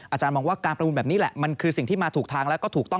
อาจารย์มองว่าการประมูลแบบนี้แหละมันคือสิ่งที่มาถูกทางแล้วก็ถูกต้อง